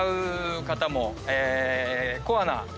コアな。